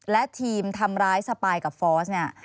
และทีมทำร้ายสปายกับฟอสเนี่ย